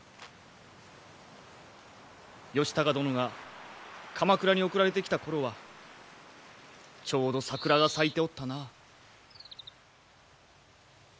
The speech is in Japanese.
義高殿が鎌倉に送られてきた頃はちょうど桜が咲いておったな。